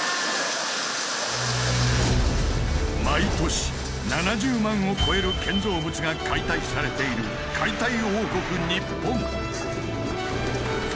毎年７０万を超える建造物が解体されている解体王国日本。